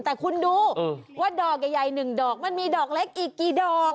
แต่คุณดูว่าดอกใหญ่๑ดอกมันมีดอกเล็กอีกกี่ดอก